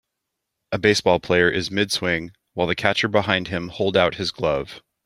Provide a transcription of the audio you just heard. A baseball player is midswing, while the catcher behind him hold out his glove.